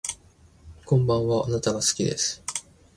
こんばんはあなたが好きです